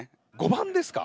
５番ですか？